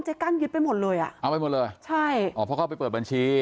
กั้นยึดไปหมดเลยอ่ะเอาไปหมดเลยใช่อ๋อเพราะเขาไปเปิดบัญชี